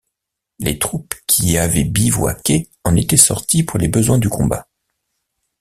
Les troupes qui y avaient bivouaqué en étaient sorties pour les besoins du combat.